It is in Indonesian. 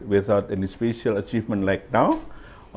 tanpa kejayaan spesial seperti sekarang